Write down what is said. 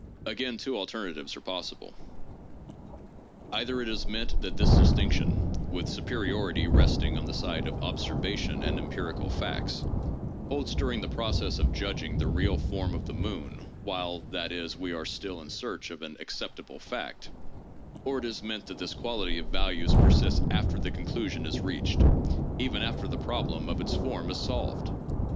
Again two alternatives are possible. Either it is meant that this distinction (with superiority resting on the side of "obser vation" and "empirical facts") holds during the process of judging the real form of the moon, while, that is, we are still in search of an '' acceptable '' fact ; or it is meant that this quality of values persists after the conclusion is reached— even after the problem of its form is solved